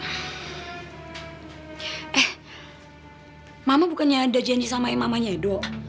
eh mama bukannya udah janji sama imamahnya do